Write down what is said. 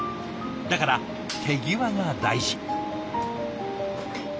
だから手際が大事。